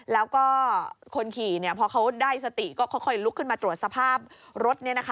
แล้วก็คนขี่พอเขาได้สติก็ค่อยลุกขึ้นมาตรวจสภาพรถ